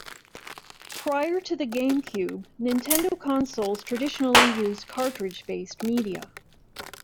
Prior to the GameCube, Nintendo consoles traditionally used cartridge-based media.